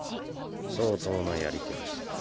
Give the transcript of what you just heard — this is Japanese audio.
相当なやり手です。